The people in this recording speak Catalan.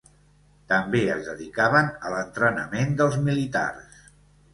També es dedicaven a l'entrenament dels militars.